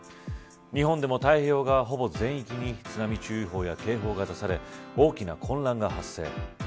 日本でも太平洋側はほぼ全域に津波注意報や警報が出され大きな混乱が発生。